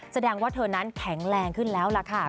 แสดงว่าเธอนั้นแข็งแรงขึ้นแล้วล่ะค่ะ